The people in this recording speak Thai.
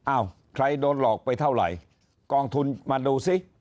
อ้าวใครโดนหลอกไปเท่าไหร่กองทุนมาดูซิ